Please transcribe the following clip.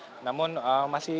dua puluh empat jam namun masih